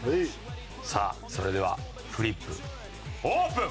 さあそれではフリップオープン！